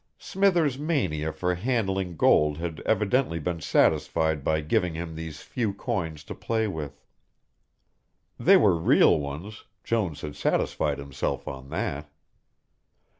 Smithers' mania for handling gold had evidently been satisfied by giving him these few coins to play with. They were real ones, Jones had satisfied himself of that.